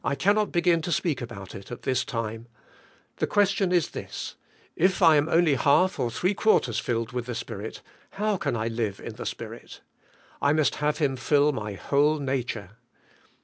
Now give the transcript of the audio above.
I cannot begin to speak about it at this time. The question is this: If I am only half or three quarters filled with the Spirit, how can I live in the Spirit? I must have Him fill my whole nature.